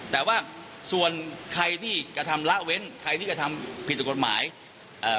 แต่ว่าส่วนใครที่กระทำละเว้นใครที่กระทำผิดกฎหมายเอ่อ